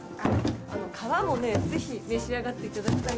皮もねぜひ召し上がっていただきたい。